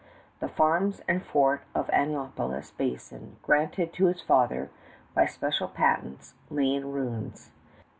The farms and fort of Annapolis Basin granted to his father by special patents lay in ruins.